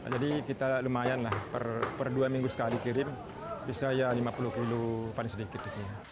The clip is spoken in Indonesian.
jadi kita lumayan lah per dua minggu sekali dikirim bisa ya lima puluh kg paling sedikit